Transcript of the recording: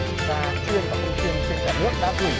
của chương trình tháng này